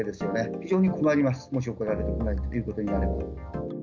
非常に困ります、もし送られてこないということになれば。